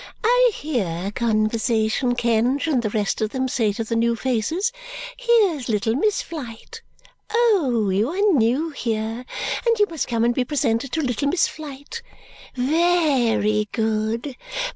I hear Conversation Kenge and the rest of them say to the new faces, 'Here's little Miss Flite. Oh, you are new here; and you must come and be presented to little Miss Flite!' Ve ry good.